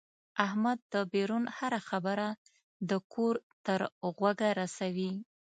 احمد دبیرون هره خبره د کور تر غوږه رسوي.